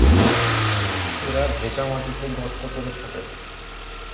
এরা ভেজা মাটিতে গর্ত করে থাকে।